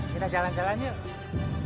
minta gua langsung ke sini